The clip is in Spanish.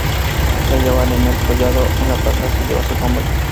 Se hallaba en el Collado, en la plaza que lleva su nombre.